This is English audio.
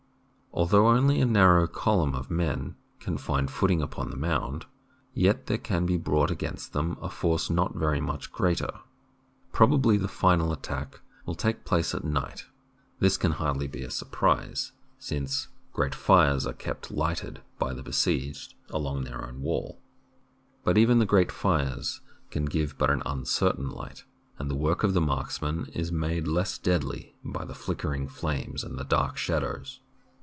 Although only a narrow column of men can find footing upon the mound, yet there can be brought against them a force not very much greater. Probably the final attack will take place at night. This can hardly be a surprise, since great fires are kept lighted by the besieged along their own wall. But even the great fires can give but an uncertain light, and the work of the marksmen is made less deadly by the flickering flames and the dark shadows.